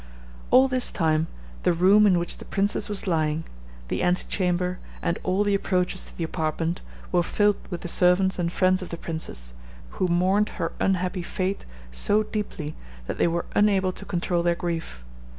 All this time, the room in which the princess was lying, the antechamber, and all the approaches to the apartment, were filled with the servants and friends of the princess, who mourned her unhappy fate so deeply that they were unable to control their grief.